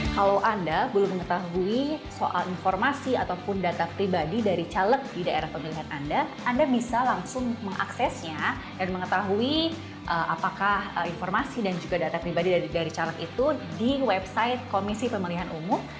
kalau anda belum mengetahui soal informasi ataupun data pribadi dari caleg di daerah pemilihan anda anda bisa langsung mengaksesnya dan mengetahui apakah informasi dan juga data pribadi dari caleg itu di website komisi pemilihan umum